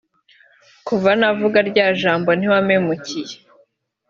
kuva navuga rya jambo ntiwampemukiye